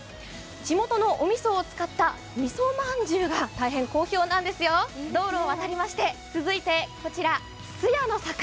地元のおみそを使った、みそまんじゅうが大変好評なんですよ、道路を渡りまして続いてこちら、酢屋の坂。